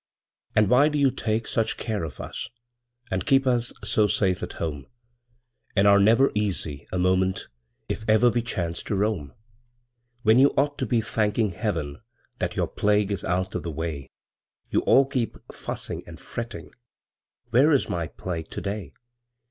And why do you take such care of us, And keep us so safe at home, And are never easy a moment If ever we chance to roam? When you ought to be thanking Heaven That your plague is out of the way, You all keep fussing and fretting "Where is my Plague to day?"